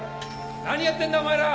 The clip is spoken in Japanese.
何やってんだお前ら！